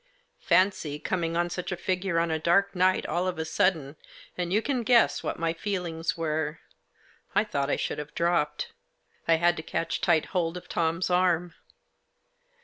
Fancy coming on such a figure, on a dark night, all of a sudden, and you can guess what my feelings were. I thought I should have dropped. I had to catch tight hold of Tom's arm.